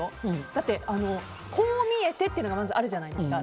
だって、こう見えてというのがまずあるじゃないですか。